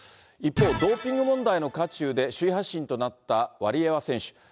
一方、ドーピング問題の渦中で首位発進となったワリエワ選手。